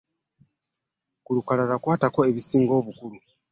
Ku lukalala kwatako ekisinga obukulu.